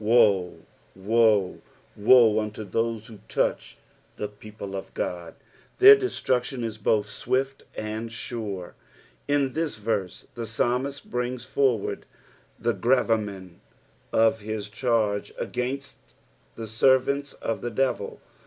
Woe, woe, woe, unto those vlio touch tlie people of Ood ; their destruction is both swift and sure. 7. In this verse tbe psainiist brings forward the gravamen of his cha^e ■gainst the servants of the devit.